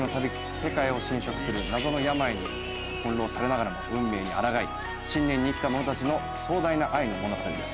世界を侵食する謎の病に翻弄されながらも運命にあらがい信念に生きた者たちの壮大な愛の物語です